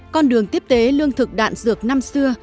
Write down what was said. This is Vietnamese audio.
con đường tiếp tế lương thực đạn dược năm xưa